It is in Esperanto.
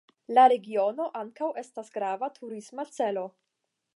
La regiono ankaŭ estas grava turisma celo.